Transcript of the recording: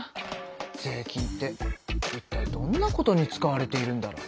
税金っていったいどんなことに使われているんだろう？